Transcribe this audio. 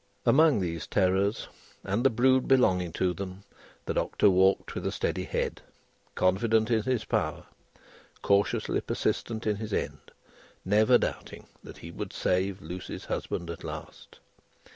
Among these terrors, and the brood belonging to them, the Doctor walked with a steady head: confident in his power, cautiously persistent in his end, never doubting that he would save Lucie's husband at last.